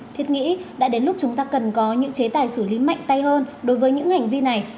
thiết nghĩ đã đến lúc chúng ta cần có những chế tài xử lý mạnh tay hơn đối với những hành vi này